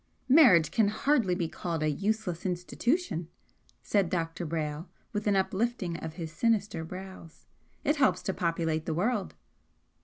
"Marriage can hardly be called a useless institution," said Dr. Brayle, with an uplifting of his sinister brows; "It helps to populate the world."